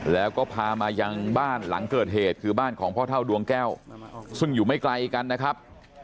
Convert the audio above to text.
แล้วก็พามายังบ้านหลังเกิดเหตุคือบ้านของพ่อเท่าดวงแก้วซึ่งอยู่ไม่ไกลกันนะครับ